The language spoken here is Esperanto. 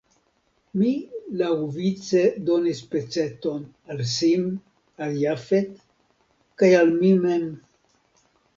Mi laŭvice donis peceton al Sim, al Jafet kaj al mi mem.